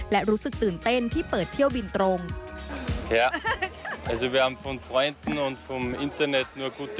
และรู้สึกตื่นเต้นที่เปิดเที่ยวบินตรง